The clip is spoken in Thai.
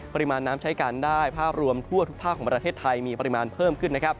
ปริมาณน้ำใช้การได้ภาพรวมทั่วทุกภาคของประเทศไทยมีปริมาณเพิ่มขึ้นนะครับ